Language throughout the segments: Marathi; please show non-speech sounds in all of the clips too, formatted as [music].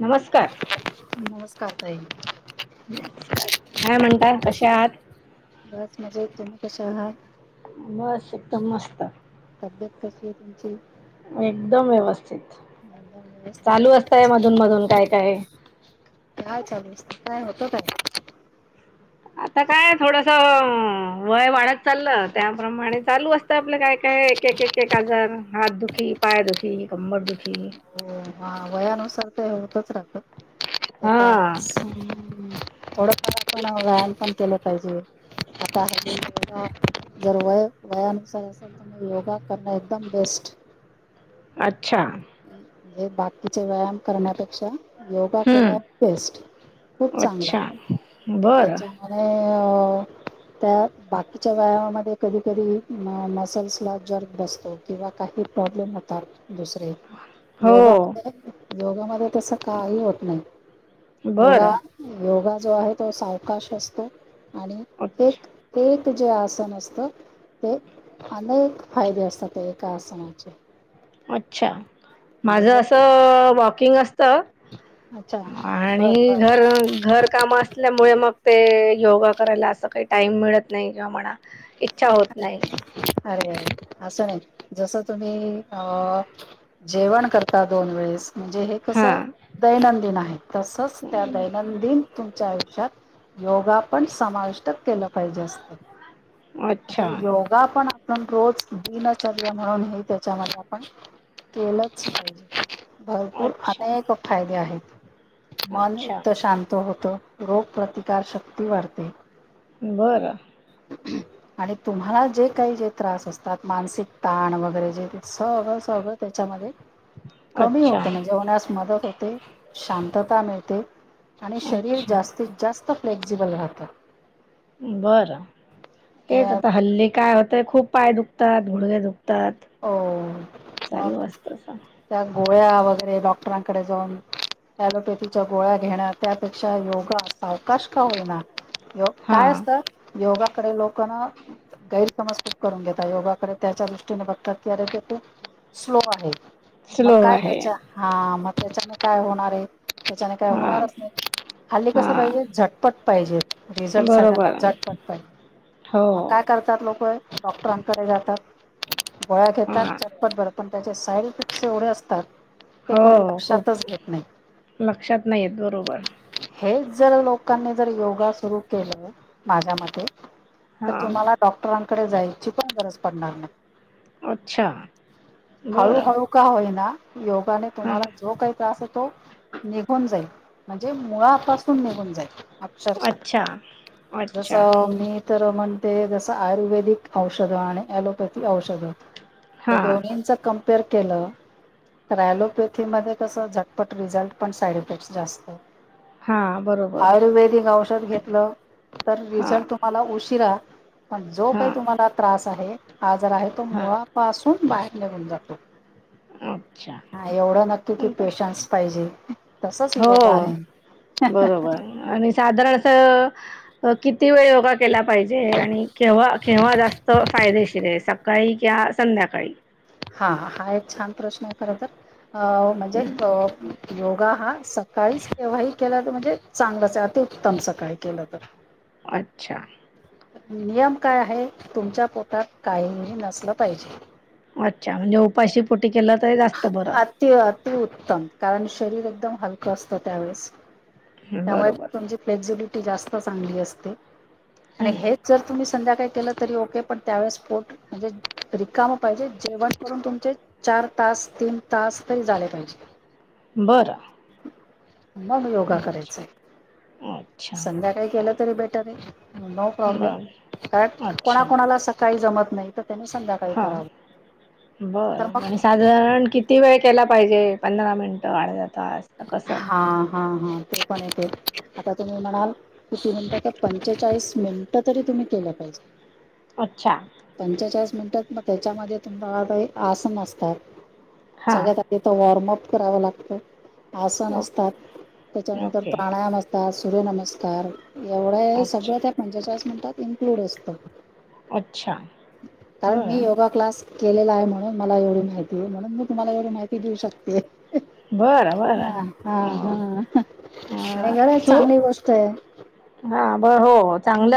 नमस्कार. नमस्कार ताई काय म्हणताय? कसे आहात? कसे आहात? बस एकदम मस्त. तब्येत कशी आहे तुमची? एकदम व्यवस्थित. [unintelligible] चालू असतंय मधून मधून काय काय काय चालू असत काय होत काय? आता काय थोडस वय वाढत चाललं त्याप्रमाणे चालू असतं आपलं काय काय एक एक एक आजार हात दुखी पाय दुखी कंबर दुखी. हो हा वयानुसार तर होतच राहत. ते हा तर आहेच [unintelligible] केलं पाहिजे आता योगा जर वय वयानुसार असेल तर मग योगा करणं एकदम बेस्ट. अच्छा. म्हणजे बाकीचा व्यायाम करण्यापेक्षा... योगा केव्हा हम्म बेस्ट खूप चांगला अच्छा बर त्याच्यामुळे... त्या बाकीच्या व्यायामामध्ये कधी कधी म मसल्सला जर्ब बसतो किंवा काही प्रॉब्लेम होतात दुसरे. योगा हो [unintelligible] योगामध्ये तस काही होत नाही. बर योगा योगा जो आहे तो सावकाश असतो. आणि ते ते अच्छा कीं ते जे आसन असत ते अनेक फायदे असतात ते एका आसनाचे. अच्छा. म्हणजे माझं जर असं वाक किंग अस अच्छा बर बर आणि घर घर काम असल्यामुळे मग ते योगा करायला असं काही टाइम मिळत नाही किंवा म्हणा इच्छा होत नाही अरे असं नाही जसं तुम्ही अ जेवण करता दोन वेळेस म्हणजे हे कस हां दैनंदिन आहे तसंच त्या दैनंदिन तुमच्या योगा पण समाविष्ट केलं पाहिजे असतात अच्छा [unintelligible] योगा [unintelligible] पण रोज दिनच-र्या म्हणून हे त्याच्यामध्ये आपण केलंच पाहिजे भरपूर अच्छा अनेक फायदे आहेत मन अच्छा एकत शांत होत रोग प्रतिकार शक्ती वाढते बरं आणि तुम्हाला जे काही जे त्रास असतात मानसिक ताण वगैरे जे सगळं सगळं त्याच्यामध्ये कमी अच्छा होत म्हणजे [inaudible] मदत होते शांतता मिळते आणि शरीर अच्छा जास्तीत जास्त फ्लेक्झिबल राहता बरं -तेच आता हल्ली काय होते ते खूप पाय दुखतायत गुडघे दुखतायत हो- मग- असतं असं त्या गोळ्या वगैरे [inaudible] डॉक्टरांकडे जाऊन ऍलोपॅथीच्या गोळ्या घेणार त्यापेक्षा योगा सावकाश का होईना [unintelligible] काय हां असत योगाकडे लोक ना गैरसमज खूप करून घेता योगाकडे त्याच्या दृष्टीने बघ तर [unintelligible] स्लो आहे मग स्लो काय आहे त्याच्या- हां मग त्याच्याने काय होणार आहे त्याच्याने काय हां होणारच नाही हल्ली कसं हां पाहिजे झटपट पाहिजे रिझल्ट सगळ्यांना बरोबर झटपट पाहिजे हो मग काय करतात लोक डॉक्टरांकडे जातात गोळ्या हां घेतात झटपट [inaudible] त्याचे साईड इफेक्टस एवढे असतात ते हो कोणी खूप लक्षातच घेत नाही -लक्षात नाहीे येत बरोबर हेच जर [unintelligible] लोकांनी जर योगा सुरू केल माझ्या मते तर हां तुम्हाला डॉक्टरां [inaudible] जायची पण गरज पडणार नाही अच्छा हाळू बरं हाळु काय्ये ना योगाने हां तुम्हाला जो काही त्रास होतो निघून जाईल म्हणजे मुळापासून निघून जाईल अक्षरश अच्छा जस अच्छा मी तर म्हणते जसं आयुर्वेदिक औषधं आणि ॲलोपॅथी औषधं या हां दोन्ंचा क र केलं कयलो प ध्ये कसं झटपट रिझल्ट पण साईड इफेक्ट् जास्त आहे हां बरोबर आयुर्वेदिक औषध घेतलं तर हां रिझल्ट तुम्हाला उशीिरा पण जो काही हां तुम्हाला त्रास आहे हाज ना तो हां मरा कसून बाहेर लागन जातो अच्छा हा एवढं नक्की कि पेशन्स पाहिजे तसच हो योगा आहे बरोबर आणि साधारण किती वेळ केला पाहिजे आणि केव्हा केव्हा जास्त फायदेशीर आहे काळी कि संध्याकाळी हा हा एक छान प्रश्न आहे खर तरर म्हणजे हं. योगा हा सकाळीच केव्हाही केला तर म्हणजे चांगलंच आहे अतिउत्तम सकाळी केलं तर अच्छा नियम काय आहे तुमच्या पोटात काही नसलं पाहिजे अच्छा म्हणजे उपाशीट अति अतिउत्तम कारण शरीर एकदम हलक असतो त्यावेेळेस त्यामुळे बरोबर तुमची फ्क्झ जास्त चांगली असते आणि हं. हेच जर तुम्ही संध्याकाळी केलं तरी ओके, पण त्यावेेळेस स् पोट म्हणजे रिकाम पाहिजे. जेवण करून तुमचे चार तास तीन तास तरी झाले पाहिजे. बरं. मग योगा अच्छा करायच आहे. अच्छा. संध्याकाळी केलं तरी बेटर आहे. नो प्रॉब्लेम, बरं. कारण कोणाकणाला सकाळी जमत नाही तर त्याने संध्याकाळी हा करावं तर बरं मग आणि साधारण किती वेळ केला पाहिजे. पंधरा मिनटं अर्धा तास. तास कसं. हा हा हा ते पण येते आता तुम्ही म्हणाल किती म्हणता तर पंचेचाळीस मिनिटं तरी तुम्ही केलं पाहिजे. अच्छा. मिनट मग त्याच्यामध्ये तुम्हाला काही आसन असतात. हां. सगळ्यात आधी तर वॉर्मअप करावं लागतं. आसन ओके. असतात. त्याच्यानंतर ओके. प्राणायाम असतात. सूर्यनमस्कार एवढं आहे अच्छा. सगळं त्या पंचेचाळीस मिनिटात इन्क्लूड असत. अच्छा. कारण मी बरं. योगा क्लास केलेला आहे म्हणून मला एवढी माहिती आहे. म्हणून मी तुम्हाला एवढी माहिती देऊ शकते. बरं. बरं. हा हा अ, हा आणि खरच चांगली गोष्ट आहे. हा. हो चांगलं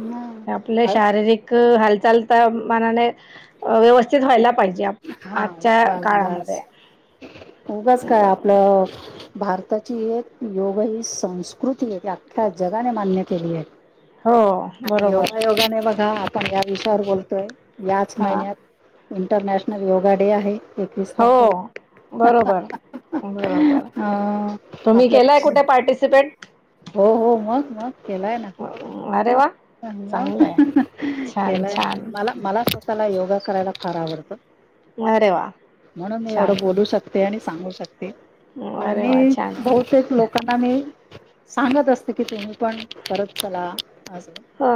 हा. आपले अ- शारीरिक हालचाल तर मनाने व्यवस्थित व्हायला पाहिजे आप हा आजच्या बास बास काळामध्ये. उघच काय बरोबर. आपलं. भारताची एक योग ही संस्कृती आहे. ती अख्या जगाने मान्य केली आहे. हो बरोबर. पण या विषयावर बोलतोय. याच हा महिन्यात इंटरनॅशनल योगा डे आहे. एकवीस हो तारखेला बरोबर बरोबर. अं, तुम्ही आपल्या केलाय कुठे पार्टिसिपेट हो हो मग मग. केलाय ना अरे वा चांगलंय छान केलाय छान मला मला त्याला योगा करायला फार आवडतं अरे वा म्हणून मी एवढं छान बोलू शकते आणि सांू शकता आणि अरे वा मी छान बहुतेक लोकांना मी सांगत असते की तुम्ही पण करत चला अस ह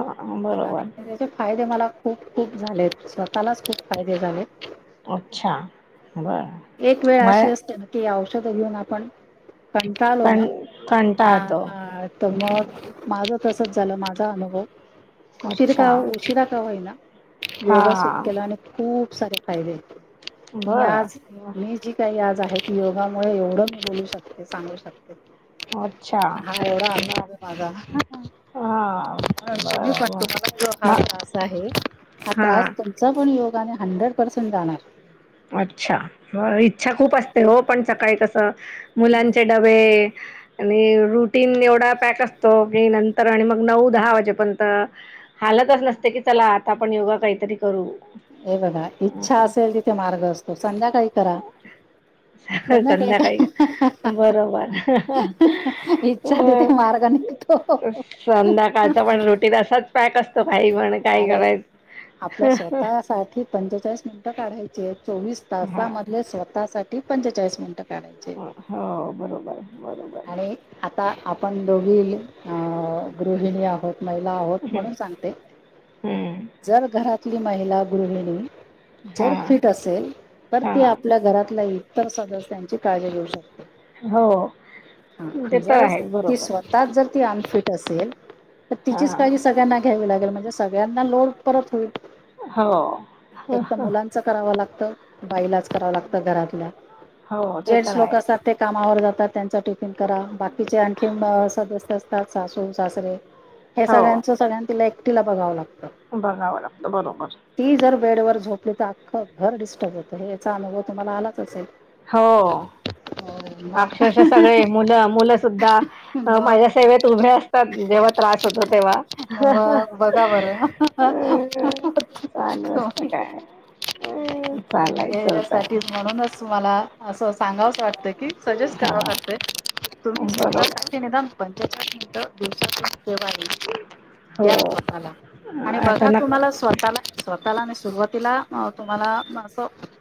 आणि बरोबर त्याचे फायदे मला खूप खूप झालेत स् त्यालाच खूप फायदे झाले अच्छा ब म तुमच्या घरी येऊन आपण कंटाळलो कंण ना कंण हा तर मग माझ तस तसच झाल माझा अनुभव उशीर अच्छा का उशिरा का होईना हा योगा सुरू केला आणि खूप खूप सारे फायदेत मी आज बरं मी जी काही आज आहे योगामुळे एवढ मी बोलू शकते सांगू शकते अच्छा हा एवढा बर अनुभव आहे माझा हा तुम्ही पण बरं बर तुम्हाला जो म हा त्रास आहे हा त्रास तुमचा पण योग योगाने हंड्रेडपर्सेंट जाणार अच्छा इच्छा खूप असते हो पण सकाळी कस मुलांचे डबे आणि रुटीन एवढा पॅक असतो क नंतर आणि मग नऊ दहा वाजेपर्यंत हालतच नसते की चला आता आपण योगा काहीतरी करू ये बघा इच्छा असा. असेल तिथे मार्ग असतो संध्याकाळी करा संध्याकाळी बरोबर. काय इच्छा तेथे अ मार्ग निघतो संध्याकाळचा पण रुटीन असाच पॅक काही म्हण काय अरे करायचं आपल्या स्वतः साठी पंचेचाळीस मिनिट काढायचेत चोवीस हां. तासामधले स्वतःसाठी पंचेचाळीस मिनिटात काढायचे हो बरोबर, बरोबर. आणि आता आपण दोघी गृहिणी आहोत महिला आहोत म्हणून हं, सांग हं. जर घरा महिला गृहिणी जर हां, फिट असेल, तर ती हां. आपल्या घरातला तर सदस्य त्यांची काळजी घेऊ शकते. हो ते हा तर जरच आहे ती बरोबर. स्वतःच जर ती अनफिट असेल. तर तिचीच हा काळजी सगळ्यांना. ठेवावी लागेल म्हणजे सगळ्यांना लोड परत होईल. हो एक तर मुलांच करावं लागतं. बाईलाच करावं लागत घरातल्या. हो ते तर जेट्स लोक असतात आहेच ते कामावर जातात. त्यांचा टिफिन करा बाकीचे आणखी सदस्य असतात सासून सासरे हे सगळ्यांच सगळ्यां. एकटीला बघावं लागतं. बघाव ला आपलं बरोबर. बेड वर झोपली तर अखं घर डिस्टर्ब होतं हे याचा अनुभव तुम्हाला आलाच असेल. हो हो मग अक्षरश सगळे मुलं मुलं सुद्धा मग माझ्या सेवेत उभे असतात जेव्हा त्रास होतो तेव्हा.. ब बघा बरं अ, चालू असतं त्ही काय अं तुम्ही चालायचं यासाठीच होतं म्हणूनच मला असं सांगावं वाटतंय सजेस्ट हा करातय बरोबर तुम्हीव निम पं. तर दुस. हो द्या स्वतःला आणि आता बघा नक तुम्हाला स्वतःला स्वतःला आणि सुरु तला तुम्हाला.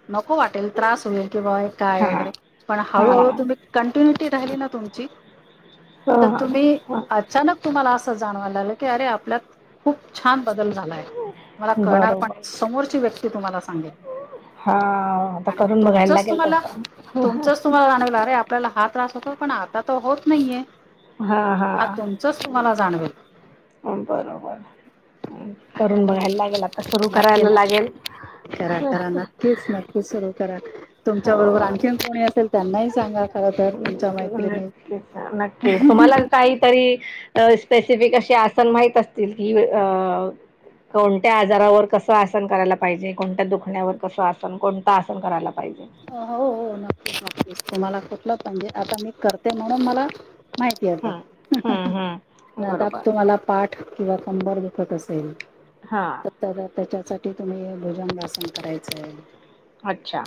नको वाटेल त्रास होईल कि बाय काय हा वगैरे पण हा हळूहळू तुम्ही हो कंटिन्युटी राहिली न. तुमची तर हां तुम्ही हां अचानक तुम्हाला अस. जाणवायला लागेल. अरे आपला खूप छान. बदल झालाय मला कळणार पण बरोबर समोरची व्यक्ती तुम्हाला सांगेल हा आता आणि करून बघायला तुमचच लागेल तुम्हाला तसं तुमचच तुम्हाला जाणवलं अरे आपल्याला हा त्रास होता. पण आता त होत नाहीये. हा त्यांचच तुम्हाला जाणवेल. बरोबर करून आणि बघायला लागेल आता सुरु नक्की करायला नक्की लागेल करा करा नक्कीच नक्कीच सुरू करा तुमच्या बरोबर हो आणखीन कोणी असेल त्यांनाही सांगा खर तरर तुमच्या मैत्रिणी नक्कीच नक्कीच तुम्हाला काहीतरी अ, स्पेसिफिक असे आसन माहित असतील की अ कोणत्या आजारावर कसं आसन करायला पाहिजे कोणत्या दुखण्यावर कसं आसन कोणतं आसन करायला पाहिजे. हो हो नक्कीच नक्कीच तुम्हाला कुठलं पाणजे आता मी करते म्हणून मला माहिती आता हं, हं, हं. आता बरोबर तुम्हाला पाठ किंवा कंबर दुखत असेल हां त्याच्यासाठी तुम्ही भोजन वासन करायचंय अच्छा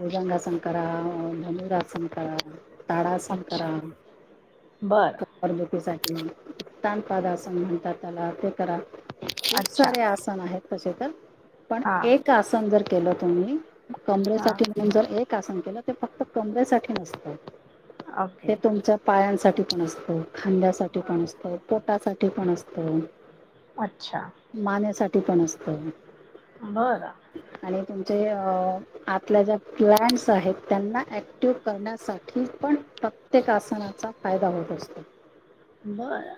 भुजंगासन करा. ताडासन करा अच्छा बरं कंबर दुखी साठी हम् ताणपाड असं म्हणतात चला ते करा खूप अच्छा सारे आसन आहेत असं का पण हां एक आसन जर केलं तुम्ही हां कमरासाठी म्हण जर एक आसन केलं ते फक्त कमरेसाठी नसतं ओके. ते तुमच्या पाया साठी पण असतो खांद्यासाठीठी पण असतो पोटासाठी के पण असतं अच्छा ते पण् असतं बरं आणि तुमचे अ आपल्या ज्या प्लड्स आहेत त्यांना ऍक्टिव करण्यासाठी पण प्रत्येक आसनाचा फायदा होत असतो. बरं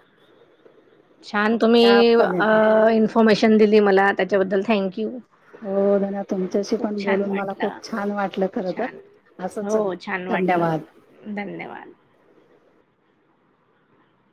छान असं तुम्ही त्या पण येते इन्फॉर्मेशन दिली मला त्याच्याबद्दल थँक्यू हो ना तुमच्याशी पण बोलून मला वाटलं. खूप छान वाटलं खर तर छान. असंच हो, छान वाटलं. धन्यवाद धन्यवाद.